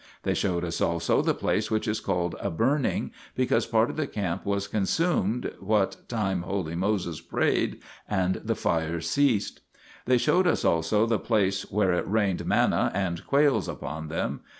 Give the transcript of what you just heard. They showed us also the place which is called a Burning, because part of the camp was consumed what time holy Moses prayed, and the fire ceased. 3 They showed us also the place where it rained manna and quails upon them.